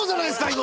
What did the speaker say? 今。